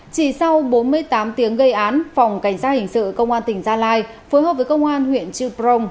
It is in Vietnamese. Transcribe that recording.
chỉ sau bốn mươi tám tiếng gây án phòng cảnh sát hình sự công an tỉnh gia lai phối hợp với công an huyện chư prong